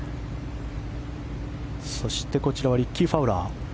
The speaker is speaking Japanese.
そして、こちらはリッキー・ファウラー。